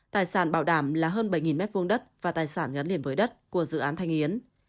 tài sản bảo đảm là hơn bảy m hai đất và tài sản gắn liền với đất của dự án thanh yến